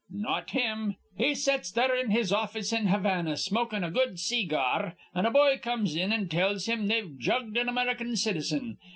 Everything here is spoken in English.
Not him. He sets there in his office in Havana, smokin' a good see gar, an' a boy comes in an' tells him they've jugged an American citizen.